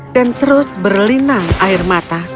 dan terus berlinang air mata